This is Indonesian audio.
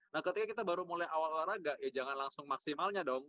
nah ketika kita baru mulai awal olahraga ya jangan langsung maksimalnya dong